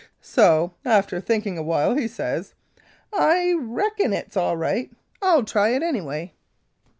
"So after thinking awhile, he says: 'I reckon it's all right. I'll try it, anyway.'